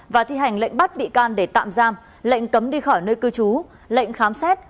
và thi hành lệnh bắt bị can để tạm giam lệnh cấm đi khỏi nơi cư trú lệnh khám xét